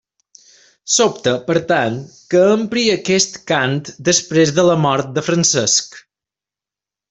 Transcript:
Sobta, per tant, que empri aquest cant després de la mort de Francesc.